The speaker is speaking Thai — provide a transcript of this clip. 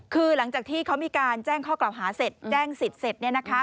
คือหลังจากที่เขามีการแจ้งข้อกล่าวหาเสร็จแจ้งสิทธิ์เสร็จ